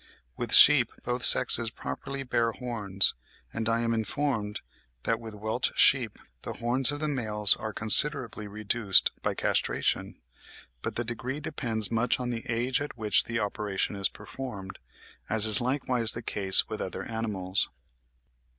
With sheep both sexes properly bear horns; and I am informed that with Welch sheep the horns of the males are considerably reduced by castration; but the degree depends much on the age at which the operation is performed, as is likewise the case with other animals.